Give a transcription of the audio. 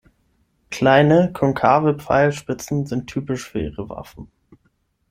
Kleine, konkave Pfeilspitzen sind typisch für ihre Waffen.